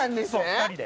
２人で。